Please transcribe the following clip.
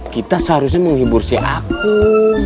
kita seharusnya menghibur si aku